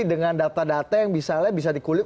dengan data data yang misalnya bisa dikulik